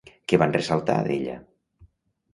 Què van ressaltar d'ella?